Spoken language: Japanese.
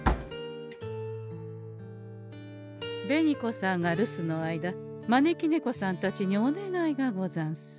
紅子さんが留守の間招き猫さんたちにお願いがござんす。